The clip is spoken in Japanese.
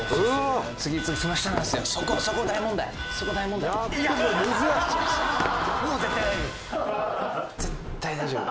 もう絶対大丈夫！